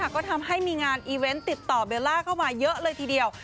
ก็ทำให้มีงานอีเวนต์ติดต่อเบลล่าเข้ามาเยอะเลยทีเดียว